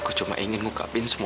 kau nyolong misteri itu banyak atau